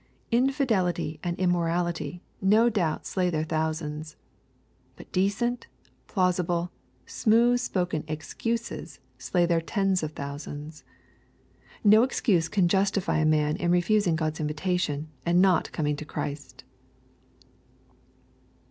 Infi« delity and immorality, no doubt, slay their thousands. But decent, plausible, smooth spoken excuses slay their tens of thousands. No excuse can justify a man in re fusing God's invitation, and not coming to Christ.